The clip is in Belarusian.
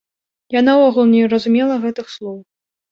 Я наогул не разумела гэтых слоў.